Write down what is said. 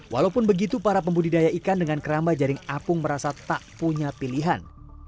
walaupun begitu para pembudidaya ikan dengan keramba jaring apung merasa tak punya pilihan